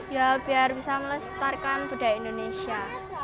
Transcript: ya biar bisa melestarikan budaya indonesia